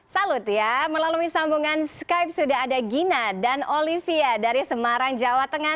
salut ya melalui sambungan skype sudah ada gina dan olivia dari semarang jawa tengah